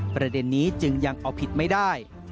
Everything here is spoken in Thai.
ประเด็นนี้จึงยังเอาผิดไม่ได้